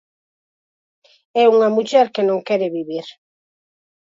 É unha muller que non quere vivir.